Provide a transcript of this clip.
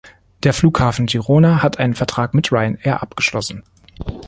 Der Flughafen Girona hat einen Vertrag mit Ryanair abgeschlossen.